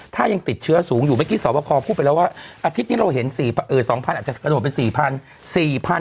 ถ้ายังติดเชื้อสูงอยู่เมื่อกี้สวบคอพูดไปแล้วว่าอาทิตย์นี้เราเห็น๒๐๐อาจจะกระโดดไป๔๐๐